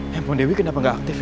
handphone dewi kenapa gak aktif ya